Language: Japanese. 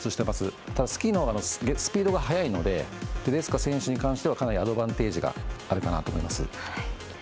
ですが、スキーのほうがスピードが速いのでレデツカ選手に関してはかなりアドバンテージがあるかなと思います。